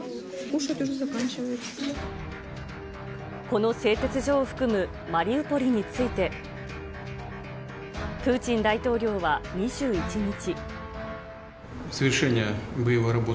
この製鉄所を含むマリウポリについて、プーチン大統領は２１日。